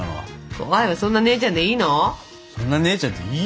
怖いわそんな姉ちゃんでいいの？